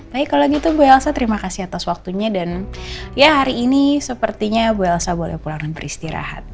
baik kalau gitu bu elsa terima kasih atas waktunya dan ya hari ini sepertinya bu elsa boleh pulang dan beristirahat